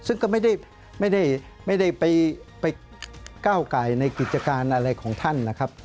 ซึ่งก็ไม่ได้ไปก้าวไก่ในกิจการอะไรของท่านนะครับ